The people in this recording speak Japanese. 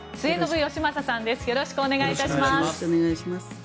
よろしくお願いします。